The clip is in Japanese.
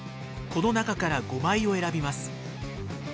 この中から５枚を選びます。